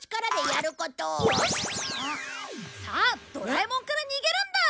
さあドラえもんから逃げるんだ！